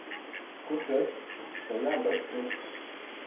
Kur tu esi? Tev jābrauc šurp.